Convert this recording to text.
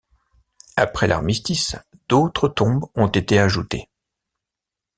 Après l'armistice, d'autres tombes ont été ajoutées.